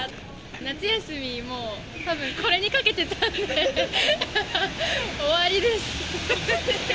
夏休み、もう、たぶんこれにかけてたんで、終わりです。